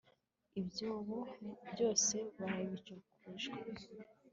ibyabo byose barabicujwe